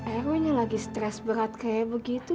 erwin yang lagi stres berat kayak begitu